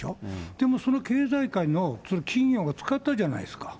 でもその経済界の、それ企業が使ったじゃないですか。